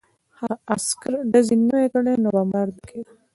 که هغه عسکر ډزې نه وای کړې نو بمبار نه کېده